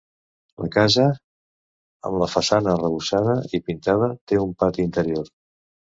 La casa, amb la façana arrebossada i pintada, té un pati interior.